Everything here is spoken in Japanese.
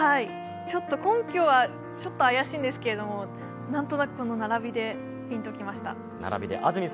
根拠はちょっと怪しいんですけれども何となくこの並びでピンと来ました。